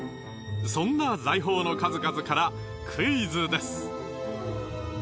そんな財宝の数々からクイズです。